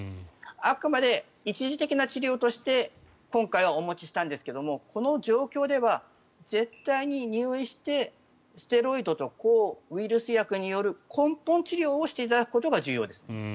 あくまで一時的な治療として今回はお持ちしたんですがこの状況では、絶対に入院してステロイドと抗ウイルス薬による根本治療をしていただくことが重要です。